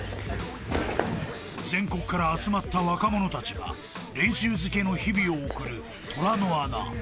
［全国から集まった若者たちが練習漬けの日々を送る虎の穴］